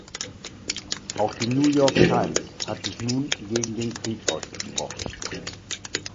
Auch die New York Times hat sich nun gegen den Krieg ausgesprochen.